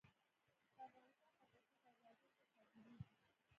د افغانستان خټکی بازارونو ته صادرېږي.